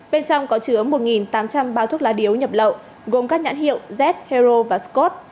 bên trong có chứa một tám trăm linh bao thuốc lá điếu nhập lậu gồm các nhãn hiệu z hero và scot